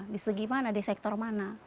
di segi mana di sektor mana